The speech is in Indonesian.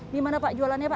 di mana pak jualannya pak